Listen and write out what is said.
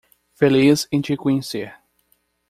Feliz em te conhecer.